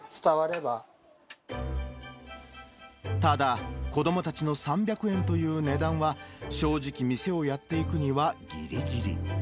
ただ、子どもたちの３００円という値段は、正直、店をやっていくにはぎりぎり。